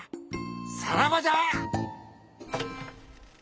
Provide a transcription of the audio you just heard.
さらばじゃ！